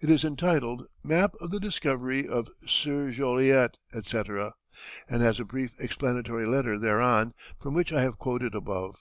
It is entitled, "Map of the Discovery of Sieur Joliet," etc., and has a brief explanatory letter thereon, from which I have quoted above.